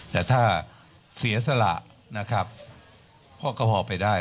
แต่ถ้าเสียสละนะครับพ่อก็พอไปได้